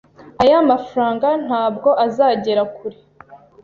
Aya mafranga ntabwo azagera kure.